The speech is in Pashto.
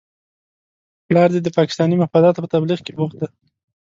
پلار دې د پاکستاني مفاداتو په تبلیغ کې بوخت دی؟